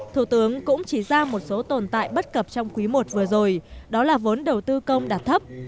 thủ tướng cũng chỉ ra một số tồn tại bất cập trong quý i vừa rồi đó là vốn đầu tư công đạt thấp